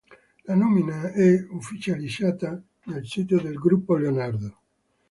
La nomina è ufficializzata nel sito del gruppo Leonardo.